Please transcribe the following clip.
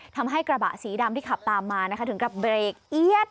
ทำให้กระบะสีดำที่ขับตามมานะคะถึงกับเบรกเอี๊ยด